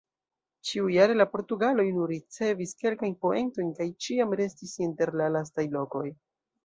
Ĉiujare la portugaloj nur ricevis kelkajn poentojn kaj ĉiam restis inter la lastaj lokoj.